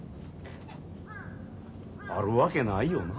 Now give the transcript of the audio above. あるわけないよな？